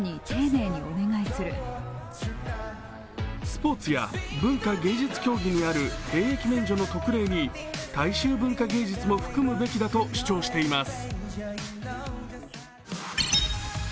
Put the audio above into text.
スポーツや文化芸術競技にある兵役免除の特例に大衆文化芸術も含むべきだと主張しています。